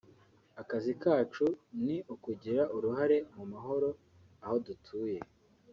akazi kacu ni ukugira uruhare mu mahoro aho dutuye